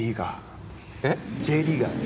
あっＪリーガー。